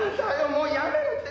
もうやめろって！